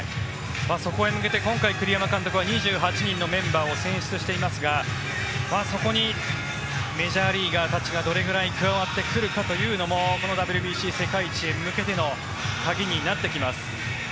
そこへ向けて今回、栗山監督は２８人のメンバーを選出していますがそこにメジャーリーガーたちがどれくらい加わってくるかというのもこのＷＢＣ、世界一へ向けての鍵になってきます。